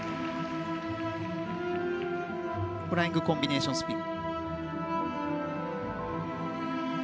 フライングコンビネーションスピン。